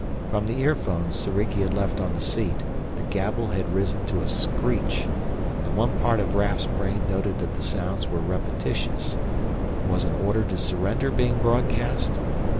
From the earphones Soriki had left on the seat the gabble had risen to a screech and one part of Raf's brain noted that the sounds were repetitious: was an order to surrender being broadcast?